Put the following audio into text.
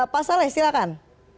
pak saleh silahkan